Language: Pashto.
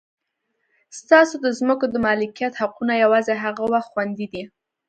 ستاسو د ځمکو د مالکیت حقونه یوازې هغه وخت خوندي دي.